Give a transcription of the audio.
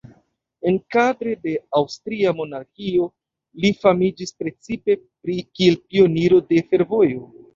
Enkadre de aŭstria monarkio li famiĝis precipe kiel pioniro de fervojo.